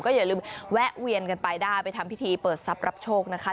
อย่าลืมแวะเวียนกันไปได้ไปทำพิธีเปิดทรัพย์รับโชคนะคะ